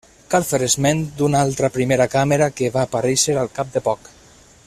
Cal fer esment d'una altra primera càmera que va aparèixer al cap de poc.